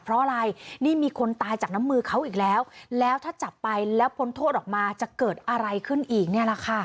เพราะอะไรนี่มีคนตายจากน้ำมือเขาอีกแล้วแล้วถ้าจับไปแล้วพ้นโทษออกมาจะเกิดอะไรขึ้นอีกเนี่ยแหละค่ะ